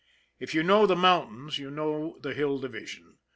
If you know the mountains, you know the Hill Division.